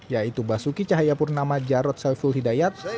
yaitu basuki cahayapurnama jarod saiful hidayat